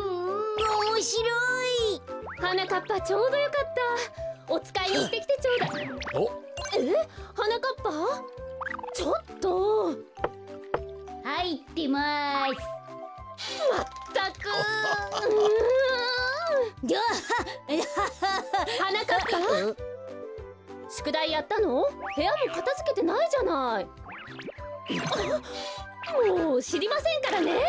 もうしりませんからね！